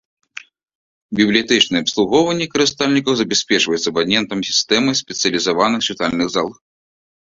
Бібліятэчнае абслугоўванне карыстальнікаў забяспечваецца абанементам і сістэмай спецыялізаваных чытальных зал.